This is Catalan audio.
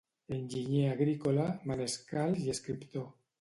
Enginyer agrícola, manescal i escriptor.